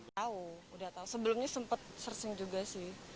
tahu udah tahu sebelumnya sempat searching juga sih